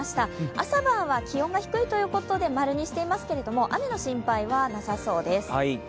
朝晩は気温が低いということで○にしていますけども雨の心配はなさそうです。